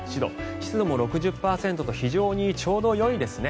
湿度も６０％と非常にちょうどよいですね。